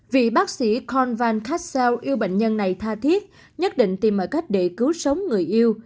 vị bác sĩ kon van kassell yêu bệnh nhân này tha thiết nhất định tìm mọi cách để cứu sống người yêu